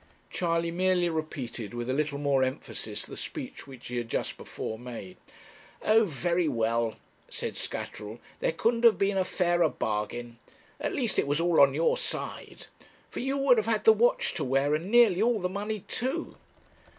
Charley merely repeated with a little more emphasis the speech which he had just before made. 'Oh, very well,' said Scatterall; 'there couldn't have been a fairer bargain; at least it was all on your side; for you would have had the watch to wear, and nearly all the money too.'